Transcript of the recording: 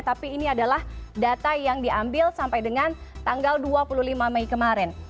tapi ini adalah data yang diambil sampai dengan tanggal dua puluh lima mei kemarin